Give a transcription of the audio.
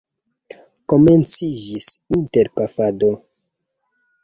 Komenciĝis interpafado.